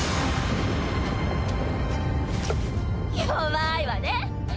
弱いわね